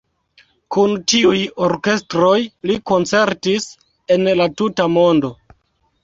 Kun tiuj orkestroj li koncertis en la tuta mondo.